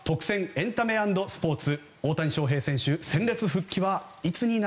エンタメ＆スポーツ。